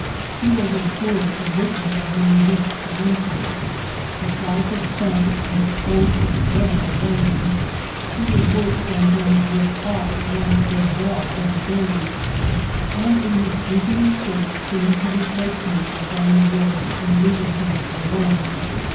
He was in poorer condition than when we reached Palenque. Deprived of corn and exposed to the dreadful rains, he was worse than when worked hard and fed well every day, and in his drooping state seemed to reproach me for going away and leaving him forlorn.